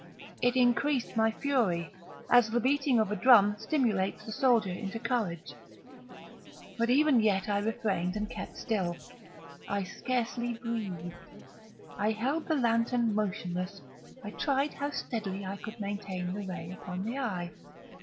It increased my fury, as the beating of a drum stimulates the soldier into courage. But even yet I refrained and kept still. I scarcely breathed. I held the lantern motionless. I tried how steadily I could maintain the ray upon the eve.